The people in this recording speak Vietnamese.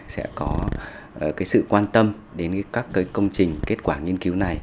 sẽ có cái sự quan tâm đến các cái công trình kết quả nghiên cứu này